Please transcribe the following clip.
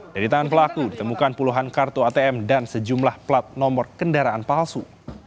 dari tangan pelaku ditemukan puluhan kartu atm dan sejumlah plat nomor kendaraan palsu